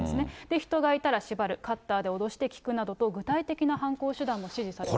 人がいたら縛る、カッターで脅して聞くなどと、具体的な犯行手段も指示されていた。